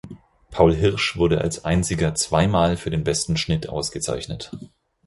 Paul Hirsch wurde als einziger zweimal für den besten Schnitt ausgezeichnet.